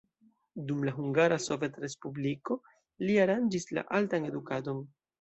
Dum la Hungara Sovetrespubliko li aranĝis la altan edukadon.